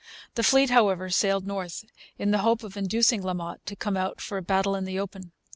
The fleet, however, sailed north, in the hope of inducing La Motte to come out for a battle in the open.